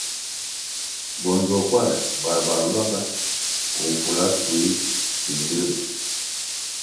Bo nzuokware barbar luanga koh fula schuéh singili ri.